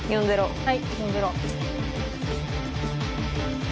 はい